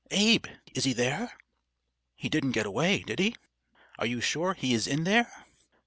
"Abe is he there?" "He didn't get away, did he?" "Are you sure he is in there?"